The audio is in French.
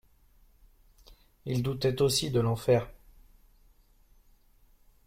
Il doutait aussi de l'enfer.